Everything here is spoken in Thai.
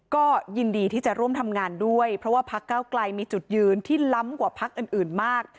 ก็ยินดีที่จะร่วมทำงานด้วยเพราะว่าพักเก้าไกลมีจุดยืนที่ล้ำกว่าพักอื่นมาก